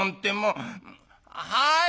はい！